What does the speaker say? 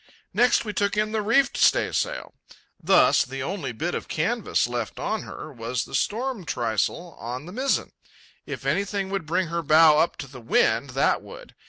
Next we took in the reefed staysail. Thus, the only bit of canvas left on her was the storm trysail on the mizzen. If anything would bring her bow up to the wind, that would.